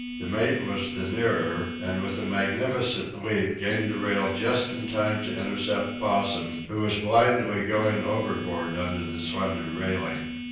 The mate was the nearer, and with a magnificent leap gained the rail just in time to intercept Possum, who was blindly going overboard under the slender railing.